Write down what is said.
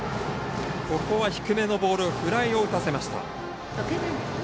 ここは低めのボールフライを打たせました。